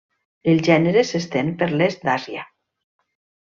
El gènere s'estén per l'est d'Àsia.